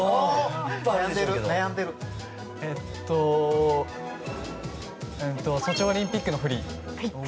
えっとソチオリンピックのフリー。